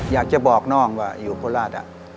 อยากจะบอกน้องว่าอยู่โคราช